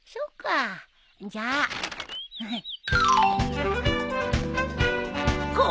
じゃあな。